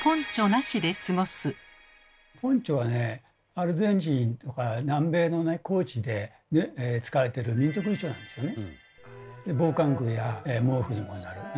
アルゼンチンとか南米の高地で使われてる民族衣装なんですよね。